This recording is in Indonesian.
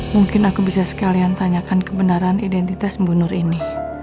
mungkin aku bisa sekalian tanyakan kebenaran identitas ibu nur ini